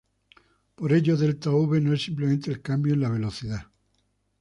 Por ello, delta-v no es simplemente el cambio en la velocidad.